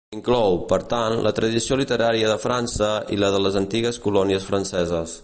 Inclou, per tant, la tradició literària de França i la de les antigues colònies franceses.